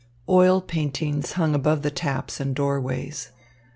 Oil paintings hung above the taps and doorways.